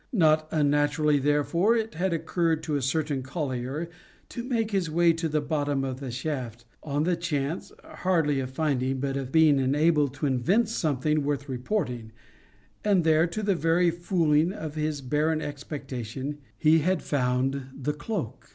Not unnaturally, therefore, it had occurred to a certain collier to make his way to the bottom of the shaft, on the chance hardly of finding, but of being enabled to invent something worth reporting; and there, to the very fooling of his barren expectation, he had found the cloak.